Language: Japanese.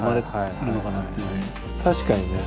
確かにね。